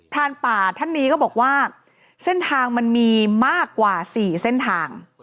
รานป่าท่านนี้ก็บอกว่าเส้นทางมันมีมากกว่า๔เส้นทาง